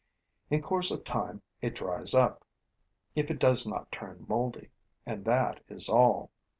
In course of time, it dries up, if it does not turn moldy; and that is all.